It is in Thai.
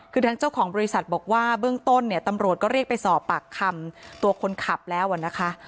คือทางเจ้าของบริษัทบอกว่าเบื้องต้นเนี่ยตำรวจก็เรียกไปสอบปากคำตัวคนขับแล้วนะคะ